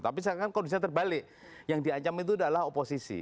tapi sekarang kondisinya terbalik yang diancam itu adalah oposisi